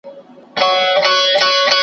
د تورو شپو په لړمانه کي به ډېوې بلېدې .